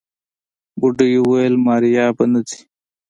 بوډۍ وويل ماريا به نه ځي.